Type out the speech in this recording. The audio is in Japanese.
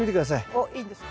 あっいいですか。